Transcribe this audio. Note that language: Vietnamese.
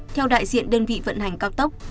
theo đại diện đơn vị vận hành cao tốc